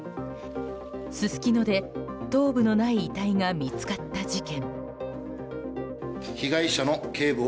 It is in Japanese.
すすきので、頭部のない遺体が見つかった事件。